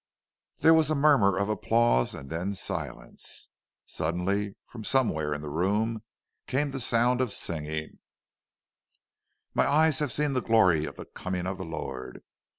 There was a murmur of applause; and then silence. Suddenly, from somewhere in the room, came the sound of singing—"Mine eyes have seen the glory of the coming of the Lord!"